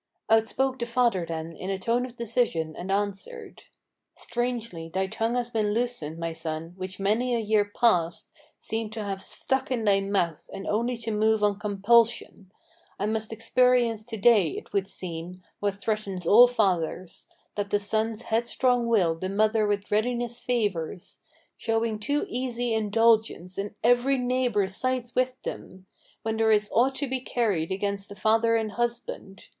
Outspoke the father then in a tone of decision, and answered: "Strangely thy tongue has been loosened, my son, which many a year past Seemed to have stuck in thy mouth, and only to move on compulsion! I must experience to day, it would seem, what threatens all fathers, That the son's headstrong will the mother with readiness favors, Showing too easy indulgence; and every neighbor sides with them When there is aught to be carried against the father and husband.